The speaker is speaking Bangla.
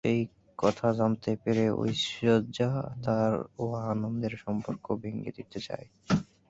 সেই কথা জানতে পেরে ঐশ্বর্যা তার ও আনন্দের সম্পর্ক ভেঙে দিতে চায়।